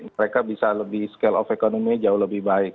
mereka bisa lebih scale of economy jauh lebih baik